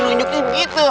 aduh ini gitu